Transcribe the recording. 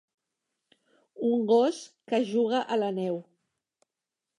Un gos que juga a la neu